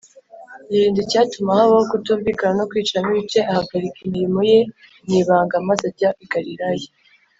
. Yirinda icyatuma habaho kutumvikana no kwicamo ibice, Ahagarika imirimo ye mw’ibanga, maze ajya i Galilaya